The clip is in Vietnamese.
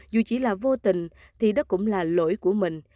dù chỉ là vô tình thì đó cũng là lỗi của mình